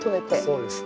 そうです。